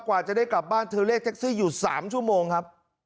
กว่าจะได้กลับบ้านเธอเรียกแท็กซี่อยู่๓ชั่วโมงครับ